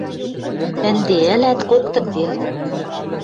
Ӹнде ӹлӓт коктын вел...